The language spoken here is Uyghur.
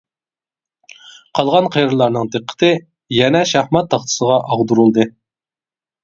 قالغان قېرىلارنىڭ دىققىتى يەنە شاھمات تاختىسىغا ئاغدۇرۇلدى.